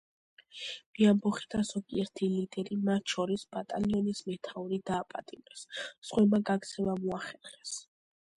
მეამბოხეთა ზოგიერთ ლიდერი, მათ შორის ბატალიონის მეთაური, დააპატიმრეს; სხვებმა გაქცევა მოახერხეს.